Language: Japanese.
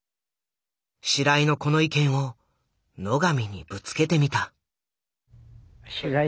白井のこの意見を野上にぶつけてみた。